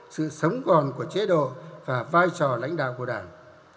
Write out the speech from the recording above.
sự sống còn của chế độ và vai trò lãnh đạo của đảng